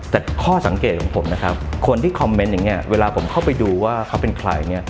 แต่ข้อสังเกตของผมนะครับคนที่คอมเมนต์อย่างนี้เวลาผมเข้าไปดูว่าเขาเป็นใครเนี่ย